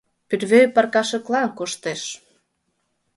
Пӧрвӧй пыркашыклан коштеш...